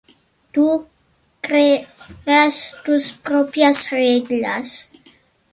Tú, creas tus propias reglas.